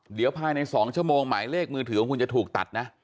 เดี๋ยวภายใน๒ชั่วโมงหมายเลขมือถือของคุณจะถูกตัดนะ